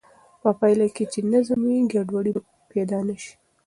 په پایله کې چې نظم وي، ګډوډي به پیدا نه شي.